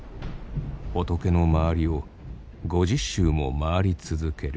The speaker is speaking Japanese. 仏の周りを５０周も回り続ける。